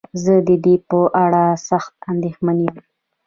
زه ددې په اړه سخت انديښمن يم.